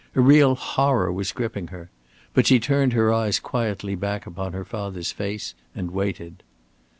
A real horror was gripping her. But she turned her eyes quietly back upon her father's face and waited.